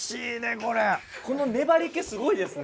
この粘り気すごいですね。